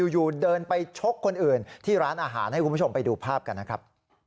อยู่เดินไปชกคนอื่นที่ร้านอาหารให้คุณผู้ชมไปดูภาพกันนะครับ